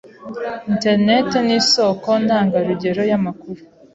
Internet nisoko ntangarugero yamakuru.